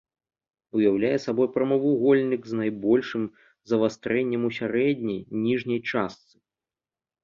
Уяўляе сабой прамавугольнік з найбольшым завастрэннем у сярэдняй ніжняй частцы.